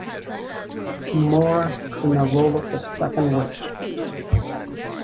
Morris in the role of the second witch.